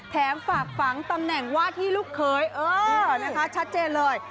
ฝากฝังตำแหน่งว่าที่ลูกเคยเออนะคะชัดเจนเลย